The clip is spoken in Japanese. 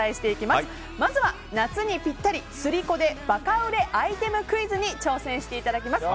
まずは夏にピッタリ、スリコでバカ売れアイテムクイズに挑戦していただきます。